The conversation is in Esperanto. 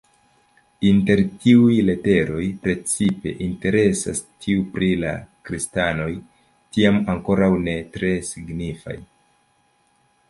Inter tiuj leteroj precipe interesas tiu pri la kristanoj, tiam ankoraŭ ne tre signifaj.